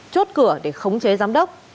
chốt cửa để khống chế giám đốc